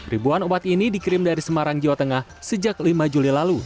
ribuan obat ini dikirim dari semarang jawa tengah sejak lima juli lalu